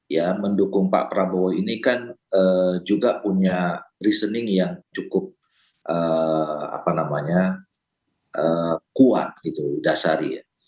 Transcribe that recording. ya mendukung pak prabowo ini kan juga punya reasoning yang cukup kuat gitu dasari ya